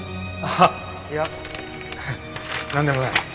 ああいやなんでもない。